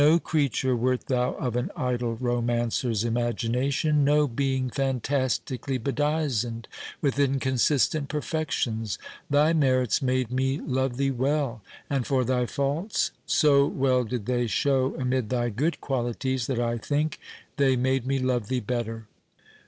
No creature wert thou of an idle romancer's imagination—no being fantastically bedizened with inconsistent perfections;—thy merits made me love thee well—and for thy faults—so well did they show amid thy good qualities, that I think they made me love thee better."